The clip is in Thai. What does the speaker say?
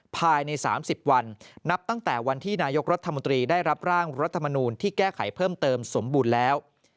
ภายใน๓๐วันนับตั้งแต่วันที่นายกรัฐมนตรีได้รับร่างรัฐมนูลที่แก้ไขเพิ่มเติมสมบูรณ์แล้ว